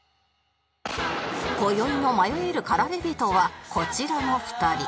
今宵の迷える駆られ人はこちらの２人